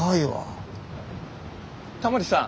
タモリさん。